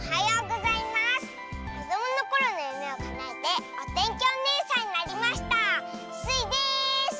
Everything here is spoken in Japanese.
こどものころのゆめをかなえておてんきおねえさんになりましたスイです！